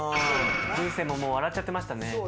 流星も笑っちゃってましたね。